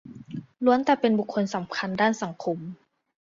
ล้วนแต่เป็นบุคลสำคัญด้านสังคม